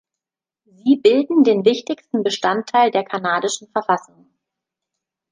Sie bilden den wichtigsten Bestandteil der kanadischen Verfassung.